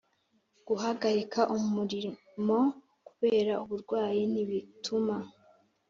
Guhagarika umurimo kubera uburwayi ntibituma